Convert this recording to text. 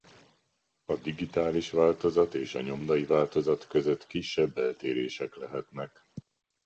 A digitális változat és a nyomdai változat között kisebb eltérések lehetnek.